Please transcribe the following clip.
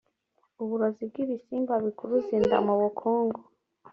uburozi bw’ibisimba bikuruza inda mu mukungugu.